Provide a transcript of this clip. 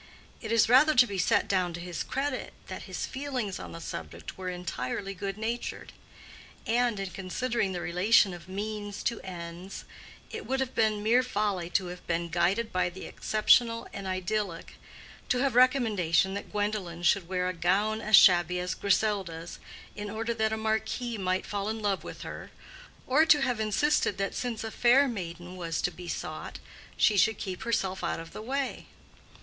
It is rather to be set down to his credit that his feelings on the subject were entirely good natured. And in considering the relation of means to ends, it would have been mere folly to have been guided by the exceptional and idyllic—to have recommended that Gwendolen should wear a gown as shabby as Griselda's in order that a marquis might fall in love with her, or to have insisted that since a fair maiden was to be sought, she should keep herself out of the way.